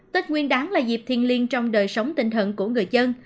tết nguyên đáng là dịp thiên liên trong đời sống tinh thần của người dân